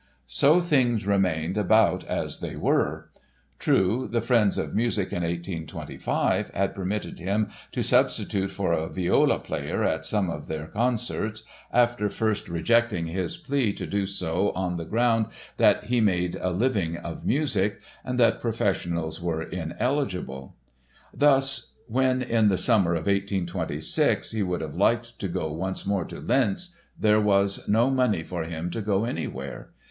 So things remained about as they were. True, the Friends of Music in 1825 had permitted him to substitute for a viola player at some of their concerts—after first rejecting his plea to do so on the ground that he "made a living of music" and that professionals were ineligible! Thus when in the summer of 1826 he would have liked to go once more to Linz there was no money for him to go anywhere.